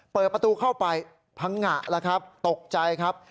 เปิดประตูเข้าไปพังงะแล้วครับตกใจครับ